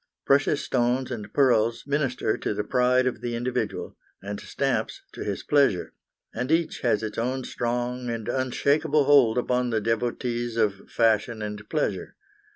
Precious stones and pearls minister to the pride of the individual, and stamps to his pleasure; and each has its own strong and unshakable hold upon the devotees of fashion and pleasure.